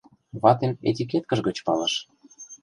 Ватем этикеткыж гыч палыш.